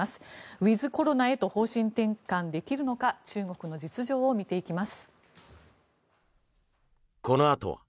ウィズコロナへと方針転換できるのか中国の実情を見ていきます。